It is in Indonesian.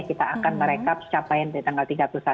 kita akan merekap capaian dari tanggal tiga puluh satu